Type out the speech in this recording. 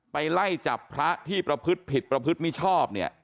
ไปไล่จับพระที่ประพฤติผิดประพฤติมิชอบเนี่ย